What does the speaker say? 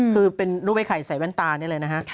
คือเป็นรูปไอ้ไข่ใส่แว่นตานี่เลยนะฮะ